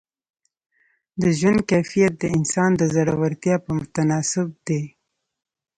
د ژوند کیفیت د انسان د زړورتیا په تناسب دی.